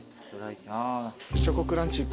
チョコクランチい